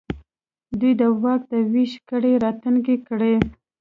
دوی د واک د وېش کړۍ راتنګې کړې.